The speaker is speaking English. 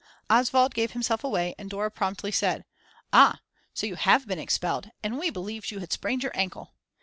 Oswald gave himself away and Dora promptly said: Ah, so you have been expelled, and we believed you had sprained your ankle.